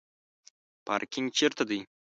پارکینګ چیرته دی؟